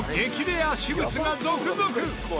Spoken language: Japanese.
レア私物が続々！